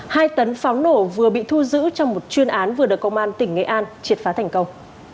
hai tấn pháo nổ vừa bị thu giữ trong một chuyên án vừa được công an tỉnh nghệ an triệt phá thành công